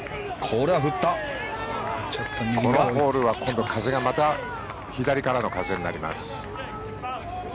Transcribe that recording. このホールは、今度はまた左からの風になります。